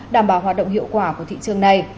đảm bảo hoạt động hiệu quả của thị trường này